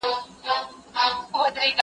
درسونه د زده کوونکي له خوا اورېدلي کيږي!!